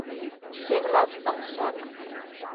Ser blat en sac.